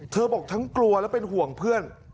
เธอบอกกลัวแล้วเป็นห่วงเพื่อน